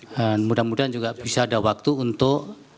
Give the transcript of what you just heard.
dan mudah mudahan juga bisa ada waktu untuk